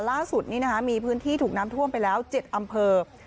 ล่าสุดนี้มีพื้นที่ถูกน้ำท่วมไปแล้ว๗อำเภอ